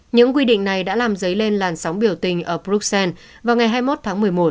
những quy định này đã làm dấy lên làn sóng biểu tình ở bruxelles vào ngày hai mươi một tháng một mươi một